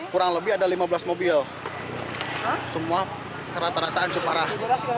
kurang lebih ada lima belas mobil semua rata rata ancur parah